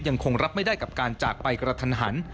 ยังคงรับไม่ได้กับการจากไปกระทันหัน